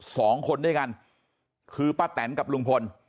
สองคนด้วยกันคือป้าแตนกับลุงพล